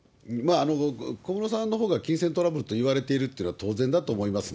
小室さんのほうが金銭トラブルと言われているって言うのは当然だと思いますね。